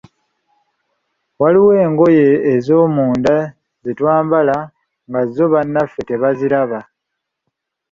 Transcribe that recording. Waliwo engoye ezoomunda ze twambala nga zo bannaffe tebaziraba.